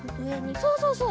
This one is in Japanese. そうそうそう。